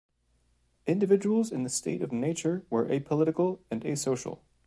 Individuals in the state of nature were apolitical and asocial.